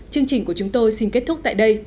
chương trình của chúng tôi xin kết thúc tại đây